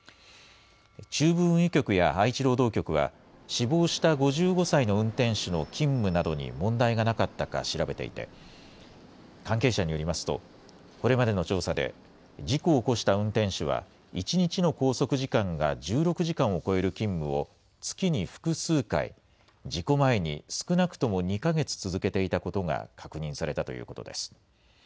中部運輸局や愛知労働局は、死亡した５５歳の運転手の勤務などに問題がなかったか調べていて、関係者によりますと、これまでの調査で事故を起こした運転手は１日の拘束時間が１６時間を超える勤務を月に複数回、事故前に少なくとも２か月続けていたことが確認されたということです。